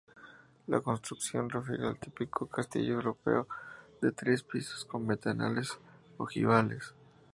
La construcción refiere al típico castillo europeo de tres pisos con ventanales ojivales.